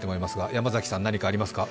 山崎さん、何かありますか？